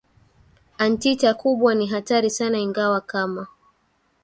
anteater kubwa ni hatari sana ingawa kama